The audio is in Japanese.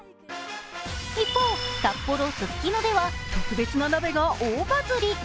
一方、札幌・ススキノでは別の鍋が大バズり。